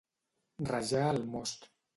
Rajar el most.